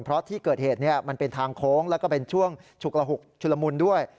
เพราะที่เกิดเหตุมันเป็นทางโค้งแล้วก็เป็นช่วงฉุกระหุกชุลมุนด้วย